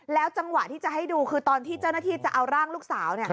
จังหวะที่จะให้ดูคือตอนที่เจ้าหน้าที่จะเอาร่างลูกสาว